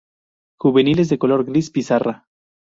Juveniles de color gris pizarra.